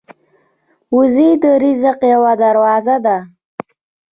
وزې د رزق یوه دروازه ده